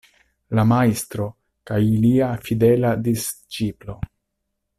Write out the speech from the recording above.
La Majstro kaj lia fidela disĉiplo.